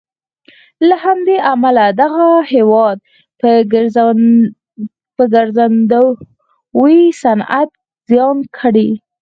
له همدې امله دغه هېواد په ګرځندوی صنعت کې زیان کړی.